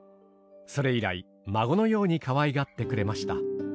それ以来孫のようにかわいがってくれました。